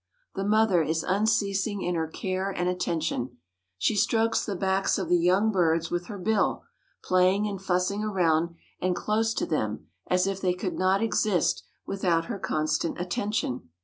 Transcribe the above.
The mother is unceasing in her care and attention. She strokes the backs of the young birds with her bill, playing and fussing around and close to them, as if they could not exist without her constant attention.